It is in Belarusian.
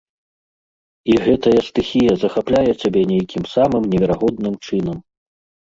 І гэтая стыхія захапляе цябе нейкім самым неверагодным чынам.